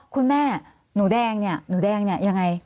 คุณแม่หนูแดงเนี่ยหนูแดงเนี่ยยังไง